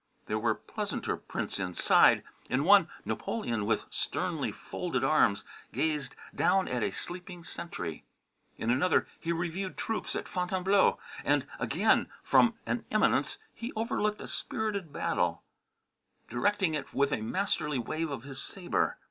There were pleasanter prints inside. In one, Napoleon with sternly folded arms gazed down at a sleeping sentry. In another he reviewed troops at Fontainebleau, and again, from an eminence, he overlooked a spirited battle, directing it with a masterly wave of his sabre.